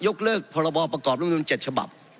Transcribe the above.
ยกเลิกพรบประกอบนุมนุม๗ฉบับ